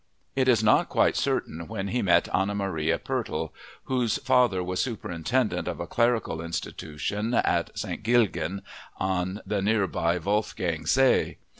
It is not quite certain exactly when he met Anna Maria Pertl, whose father was superintendent of a clerical institution at St. Gilgen on the nearby Wolfgang See.